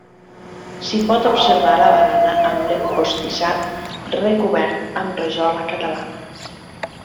S'hi pot observar la barana amb l'empostissat recobert amb rajola catalana.